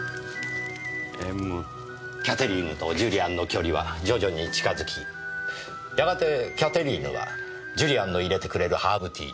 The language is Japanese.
キャテリーヌとジュリアンの距離は徐々に近づきやがてキャテリーヌはジュリアンの入れてくれるハーブティーに心酔します。